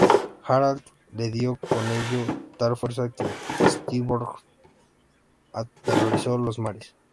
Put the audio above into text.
Harald le dio con ello tal fuerza que Styrbjörn aterrorizó los mares.